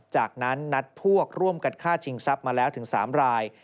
จากนั้นนัดพวกร่วมกันฆ่าชิงทรัพย์มาแล้วถึง๓ราย